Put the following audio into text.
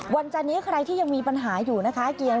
จันนี้ใครที่ยังมีปัญหาอยู่นะคะ